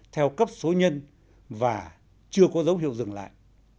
theo cấp số nhân và chưa có dấu hiệu dừng lại